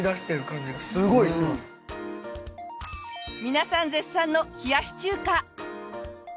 皆さん絶賛の冷やし中華。